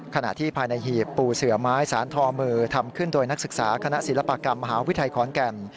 ขณะที่ภายในหีบปูเสือไม้สารทอมือทำขึ้นโดยนักศึกษาคณะศิลปกรรมมหาวิทยาลัยขอนแก่น